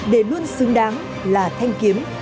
để luôn xứng đáng là thanh kiếm